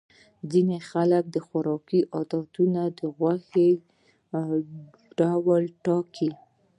د ځینو خلکو د خوراک عادتونه د غوښې ډول ټاکي.